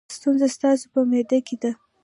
ستونزه ستاسو په معده کې ده.